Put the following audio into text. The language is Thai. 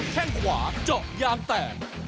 แค่งขวาเจาะยางแตก